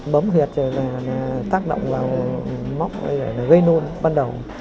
bấm huyệt rồi là tác động vào móc gây nôn bắt đầu